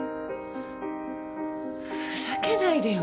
ふざけないでよ。